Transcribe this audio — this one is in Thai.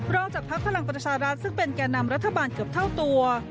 จากภักดิ์พลังประชารัฐซึ่งเป็นแก่นำรัฐบาลเกือบเท่าตัว